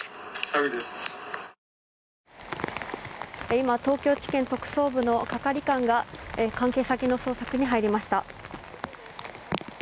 今東京地検特捜部の係官が関係先の捜索に入りました。